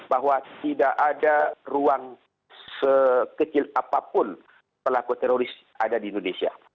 bahwa tidak ada ruang sekecil apapun pelaku teroris ada di indonesia